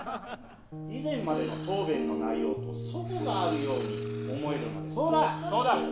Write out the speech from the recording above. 以前までの答弁の内容と齟齬があるように思えるのですが。